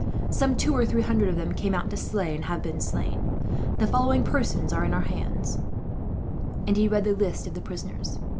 Some two or three hundred of them came out to slay, and have been slain. "The following persons are in our hands," and he read the list of the prisoners.